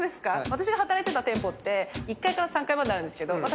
私が働いてた店舗って１階から３階まであるんですけど私